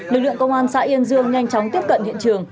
lực lượng công an xã yên dương nhanh chóng tiếp cận hiện trường